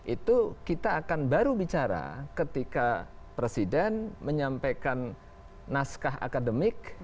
itu kita akan baru bicara ketika presiden menyampaikan naskah akademik